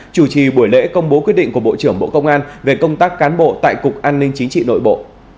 chủ trì buổi lễ công bố quyết định của bộ trưởng bộ công an về công tác cán bộ tại cục an ninh chính trị nội bộ